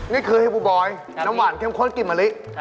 นี่คือเฮบูบอยน้ำหวานเข้มข้นกลิ่นมะลิ